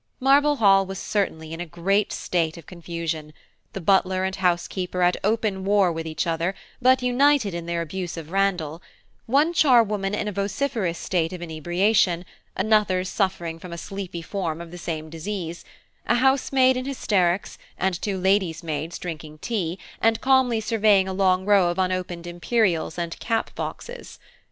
Marble Hall was certainly in a great state of confusion–the butler and housekeeper at open war with each other, but united in their abuse of Randall; one charwoman in a vociferous state of inebriation, another suffering under a sleepy form of the same disease, a housemaid in hysterics, and two ladies' maids drinking tea, and calmly surveying a long row of unopened imperials and cap boxes.